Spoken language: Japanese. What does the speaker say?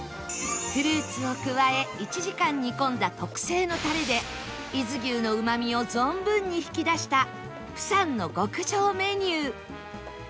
フルーツを加え１時間煮込んだ特製のタレで伊豆牛のうまみを存分に引き出した釜山の極上メニュー